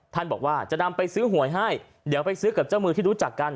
ท่านบอกว่าจะนำไปซื้อหวยให้เดี๋ยวไปซื้อกับเจ้ามือที่รู้จักกัน